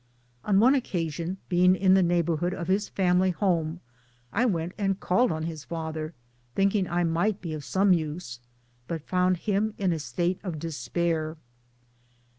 On one occasion being in the neighborhood of his family home, I went and called on his father, thinking I might be of some use, but found him in a state of despair.